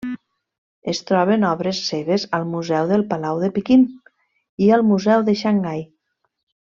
Es troben obres seves al Museu del Palau de Pequín i al Museu de Xangai.